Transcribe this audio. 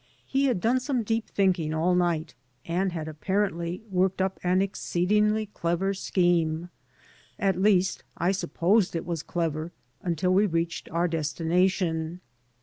He had done some deep thinking all night and had apparently worked up an exceedingly clever scheme. At least I supposed it was clever until we reached our desti nation.